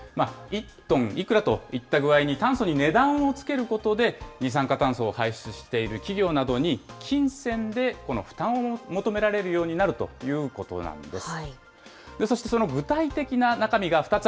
１トンいくらといった具合に、炭素に値段を付けることで、二酸化炭素を排出している企業などに、金銭をこの負担を求められるようになるということなんです。